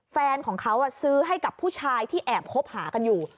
แฟนของเขาซื้อให้กับผู้ชายที่แอบคบหากันอยู่